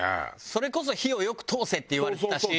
それこそ「火をよく通せ」って言われてたし。